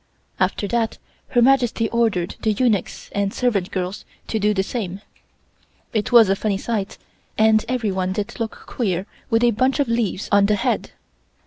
After that Her Majesty ordered the eunuchs and the servant girls to do the same thing. It was a funny sight, and everyone did look queer with a bunch of leaves on the head.